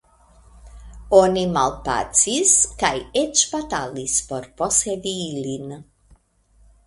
Oni malpacis, kaj eĉ batalis por posedi ilin.